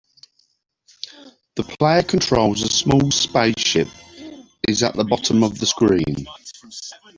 The player controls a small spaceship is at the bottom of the screen.